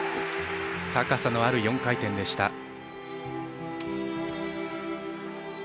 高さのある４回転でした。